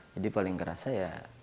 jadi paling kerasa ya